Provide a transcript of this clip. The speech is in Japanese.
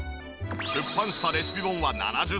出版したレシピ本は７０冊以上。